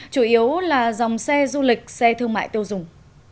chủ yếu là dòng xe du lịch xe thương mại tiêu dùng